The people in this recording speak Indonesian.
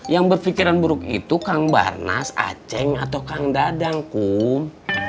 yang berpikiran buruk itu kang barnas a ceng atau kang dadah kum